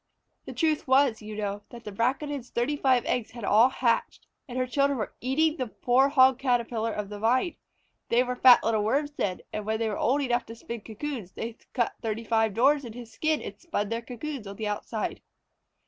The truth was, you know, that the Braconid's thirty five eggs had all hatched, and her children were eating up the poor Hog Caterpillar of the Vine. They were fat little Worms then, and when they were old enough to spin cocoons, they cut thirty five tiny doors in his skin and spun their cocoons on the outside.